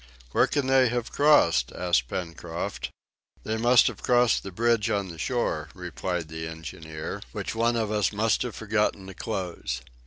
"Where can they have crossed?" asked Pencroft. "They must have crossed the bridge on the shore," replied the engineer, "which one of us must have forgotten to close."